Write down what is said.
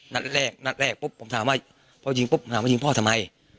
นัดแรกปุ๊บผมถามว่าพ่อจิงปุ๊บหาว่าจิงพ่อทำไม